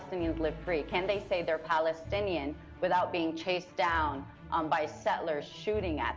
ini adalah isu kemanusiaan ini adalah isu keadilan